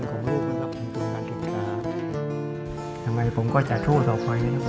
แน่ดีที่สุดท่าที่ผมจะทำได้